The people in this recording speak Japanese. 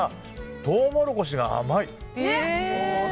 トウモロコシが甘い！